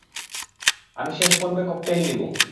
আমি শেষ পর্বে ককটেইল নিবো।